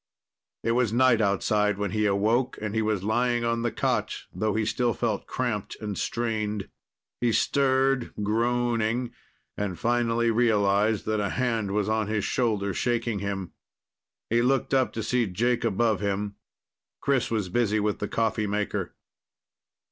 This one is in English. It was night outside when he awoke, and he was lying on the cot, though he still felt cramped and strained. He stirred, groaning, and finally realized that a hand was on his shoulder shaking him. He looked up to see Jake above him. Chris was busy with the coffee maker.